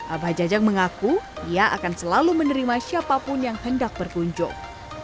abah jajang mengaku ia akan selalu menerima siapapun yang hendak berkunjung